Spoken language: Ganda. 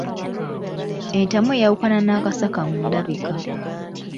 Entamu eyawukana n'akasaka mu ndabika.